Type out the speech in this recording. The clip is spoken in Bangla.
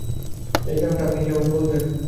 এর কারণটা কি আপনি আমাকে বলবেন?